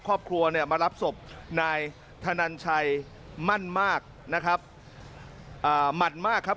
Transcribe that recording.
ครอบครัวเนี่ยมารับศพนายธนันชัยมั่นมากนะครับอ่าหมั่นมากครับ